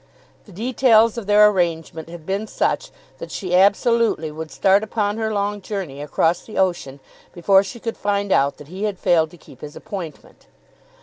The details of their arrangement had been such that she absolutely would start upon her long journey across the ocean before she could find out that he had failed to keep his appointment.